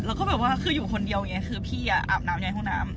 แล้วก็แบบว่าคืออยู่คนเดียวอย่างนี้คือพี่อาบน้ำในห้องน้ำ